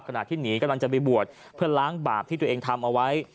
ขณะที่หนีกำลังจะไปบวชเพื่อล้างบาปที่ตัวเองทำเอาไว้